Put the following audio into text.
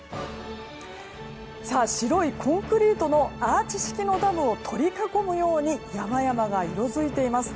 白いコンクリートのアーチ式のダムを取り囲むように山々が色づいています。